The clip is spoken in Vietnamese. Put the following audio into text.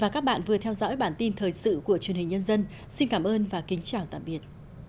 và các bạn vừa theo dõi bản tin thời sự của truyền hình nhân dân xin cảm ơn và kính chào tạm biệt